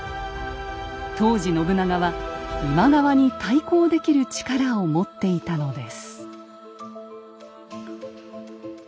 当時信長は今川に対抗できる力を持っていたのです。